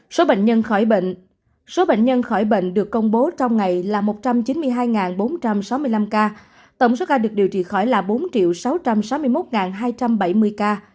số bệnh nhân khỏi bệnh được công bố trong ngày là một trăm chín mươi hai bốn trăm sáu mươi năm ca tổng số ca được điều trị khỏi là bốn sáu trăm sáu mươi một hai trăm bảy mươi ca